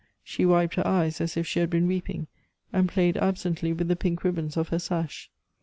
She wiped her eyes as if she had been weeping, and played absently with the pink ribbons of her sash.